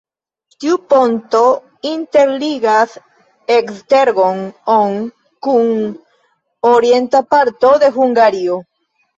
Tiu ponto interligas Esztergom-on kun orienta parto de Hungario.